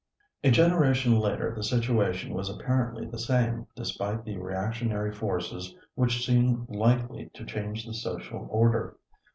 A generation later the situation was apparently the same despite the reactionary forces which seemed likely to change the social order.